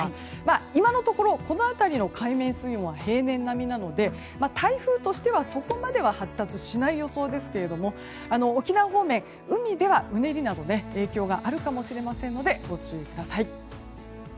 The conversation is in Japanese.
今のところ、この辺りの海面水温は平年並みなので台風としてはそこまでは発達しない予想ですけれども沖縄方面、海ではうねりなど影響があるかもしれませんのでご注意ください。